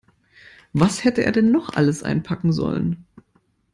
Was hätte er denn noch alles einpacken sollen?